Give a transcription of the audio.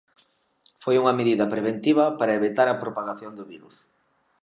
Foi unha medida preventiva para evitar a propagación do virus.